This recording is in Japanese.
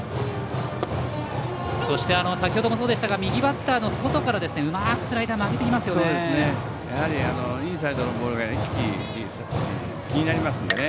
そして先程もそうでしたが右バッターの外からうまくスライダーを曲げてきますね。